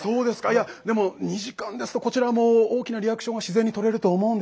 いやでも２時間ですとこちらも大きなリアクションは自然にとれると思うんですね。